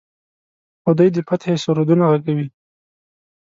خو دوی د فتحې سرودونه غږوي.